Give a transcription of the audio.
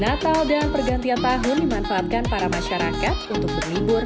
natal dan pergantian tahun dimanfaatkan para masyarakat untuk berlibur